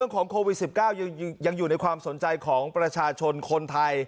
ของโควิด๑๙ยังอยู่ในความสนใจของประชาชนคนไทย